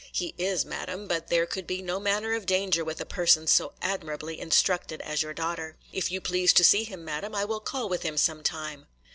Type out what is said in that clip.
'He is, madam; but there could be no manner of danger with a person so admirably instructed as your daughter. If you please to see him, madam, I will call with him some time.